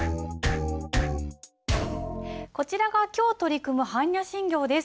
こちらが今日取り組む般若心経です。